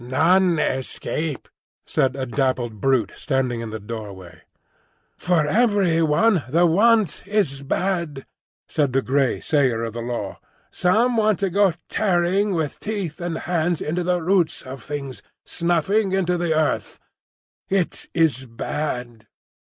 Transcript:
'" "None escape," said a dappled brute standing in the doorway. "For every one the want is bad," said the grey Sayer of the Law. "Some want to go tearing with teeth and hands into the roots of things, snuffing into the earth. It is bad."